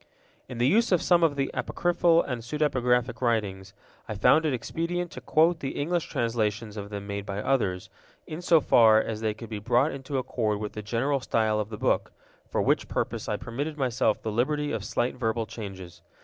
In the use of some of the apocryphal and pseudepigraphic writings, I found it expedient to quote the English translations of them made by others, in so far as they could be brought into accord with the general style of the book, for which purpose I permitted myself the liberty of slight verbal changes.